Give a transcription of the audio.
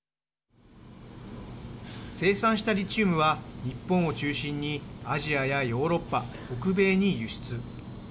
生産したリチウムは日本を中心にアジアやヨーロッパ北米に輸出。